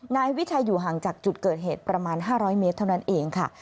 นายวิชัยอยู่ห่างจากจุดเกิดเหตุประมาณ๕๐๐เมตรเท่านั้นเองค่ะ